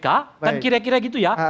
kan kira kira gitu ya